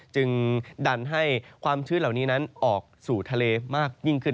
จึงดันให้ความชื้นเหล่านี้นั้นออกสู่ทะเลมากยิ่งขึ้น